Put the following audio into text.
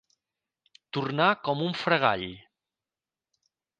Tornar com un fregall.